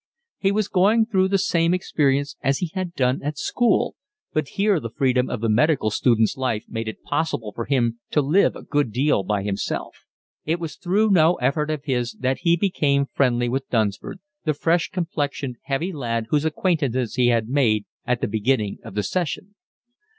He was going through the same experience as he had done at school, but here the freedom of the medical students' life made it possible for him to live a good deal by himself. It was through no effort of his that he became friendly with Dunsford, the fresh complexioned, heavy lad whose acquaintance he had made at the beginning of the session.